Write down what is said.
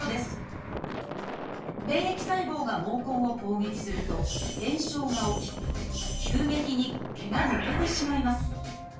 免疫細胞が毛根を攻撃すると炎症が起き急激に毛が抜けてしまいます。